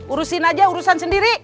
urusin aja urusan sendiri